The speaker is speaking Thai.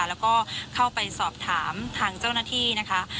แล้วก็เข้าไปสอบถามทางเจ้าหน้าที่นะคะ